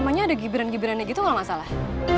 namanya ada gibiran gibirannya gitu kalo gak masalah